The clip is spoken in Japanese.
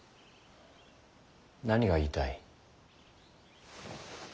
何が言いたい？